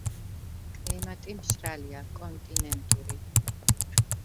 კლიმატი მშრალია, კონტინენტური.